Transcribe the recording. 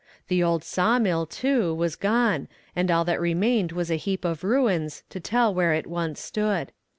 The old saw mill, too, was gone, and all that remained was a heap of ruins, to tell where it once stood.